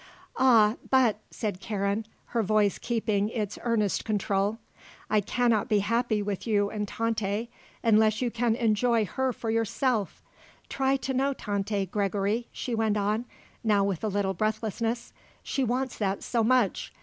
"Ah, but," said Karen, her voice keeping its earnest control, "I cannot be happy with you and Tante unless you can enjoy her for yourself. Try to know Tante, Gregory," she went on, now with a little breathlessness; "she wants that so much.